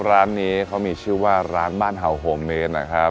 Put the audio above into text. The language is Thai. ร้านนี้เขามีชื่อว่าร้านบ้านเห่าโฮมเมนนะครับ